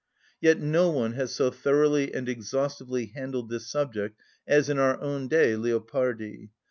Yet no one has so thoroughly and exhaustively handled this subject as, in our own day, Leopardi.